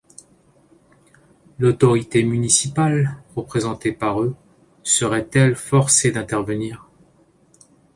L’autorité municipale, représentée par eux, serait-elle forcée d’intervenir ?